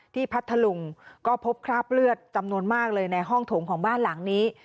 พัทธลุงก็พบคราบเลือดจำนวนมากเลยในห้องโถงของบ้านหลังนี้